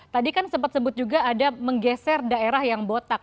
tadi kan sempat sebut juga ada menggeser daerah yang botak